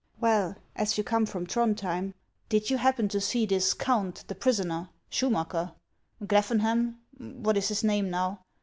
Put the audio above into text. " Well, as you come from Throndhjem, did you happen to see this count, the prisoner — Schumacker — Gleffen hem — what is his name, now?